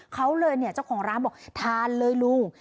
เขาเลยเนี่ยเจ้าของร้านบอกทานเลยลุง